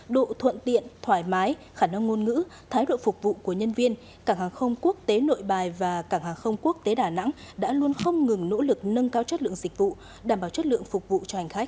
độ thuận tiện thoải mái khả năng ngôn ngữ thái độ phục vụ của nhân viên cảng hàng không quốc tế nội bài và cảng hàng không quốc tế đà nẵng đã luôn không ngừng nỗ lực nâng cao chất lượng dịch vụ đảm bảo chất lượng phục vụ cho hành khách